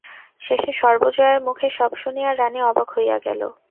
শেষে সর্বজয়ার মুখে সব শুনিয়া রানী অবাক হইয়া গেল।